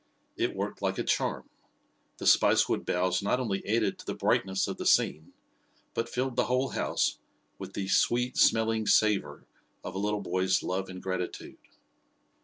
It worked like a charm; the spicewood boughs not only added to the brightness of the scene but filled the whole house with the "sweet smelling savour" of a little boy's love and gratitude.